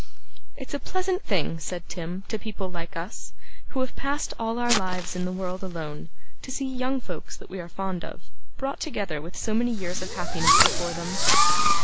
'It's a pleasant thing,' said Tim, 'to people like us, who have passed all our lives in the world alone, to see young folks that we are fond of, brought together with so many years of happiness before them.